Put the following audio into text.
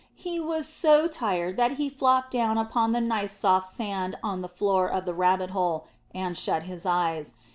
He was so tired that he flopped down upon the nice soft sand on the floor of the rabbit hole, and shut his eyes.